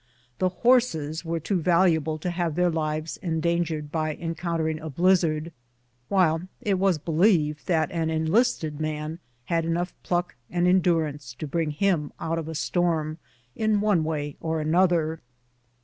The horses were too valuable to have their lives endan gered by encountering a blizzard, while it was believed that an enlisted man liad enough pluck and endurance to bring him out of a storm in one way or another.